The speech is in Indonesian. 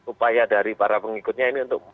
upaya dari para pengikutnya ini untuk